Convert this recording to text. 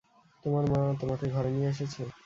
তোমার মা তোমাকে ঘরে নিয়ে এসেছে?